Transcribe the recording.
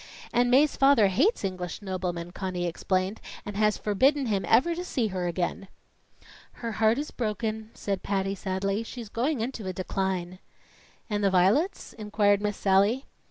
"And Mae's father hates English noblemen," Conny explained, "and has forbidden him ever to see her again." "Her heart is broken," said Patty sadly. "She's going into a decline." "And the violets?" inquired Miss Sallie.